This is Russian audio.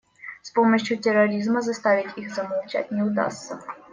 С помощью терроризма заставить их замолчать не удастся.